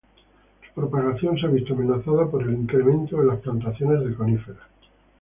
Su propagación se ha visto amenazada por el incremento de las plantaciones de coníferas.